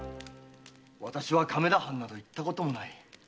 私は亀田藩など行ったこともない。